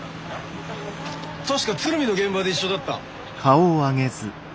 確か鶴見の現場で一緒だった？